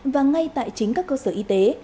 và ngay tại chính các cơ sở y tế